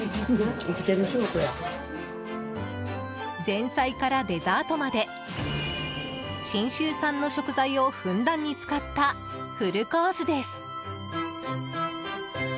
前菜からデザートまで信州産の食材をふんだんに使ったフルコースです。